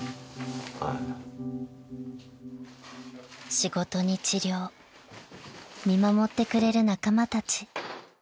［仕事に治療見守ってくれる仲間たち］